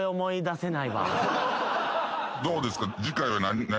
どうですか？